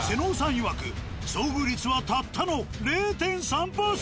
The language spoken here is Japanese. いわく遭遇率はたったの０．３％。